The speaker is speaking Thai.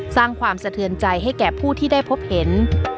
สร้างความสะเทือนใจให้แก่ผู้ที่ได้พบเห็น